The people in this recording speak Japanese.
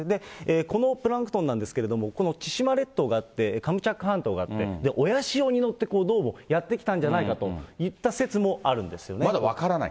このプランクトンなんですけれども、この千島列島があって、カムチャック半島があって、親潮に乗ってどうもやって来たんじゃないかといった説もあるんでまだ分からない？